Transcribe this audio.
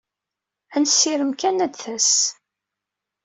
Ad nessirem kan ad d-tas.